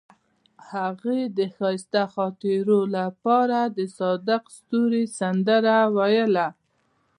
هغې د ښایسته خاطرو لپاره د صادق ستوري سندره ویله.